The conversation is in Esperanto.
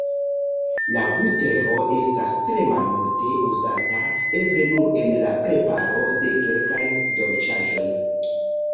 La butero estas tre malmulte uzata, eble nur en la preparo de kelkaj dolĉaĵoj.